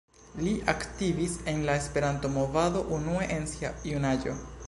Li aktivis en la Esperanto-movado unue en sia junaĝo.